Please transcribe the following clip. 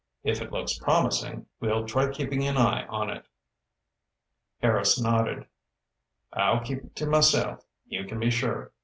If it looks promising, we'll try keeping an eye on it." Harris nodded. "I'll keep it to myself, you can be sure.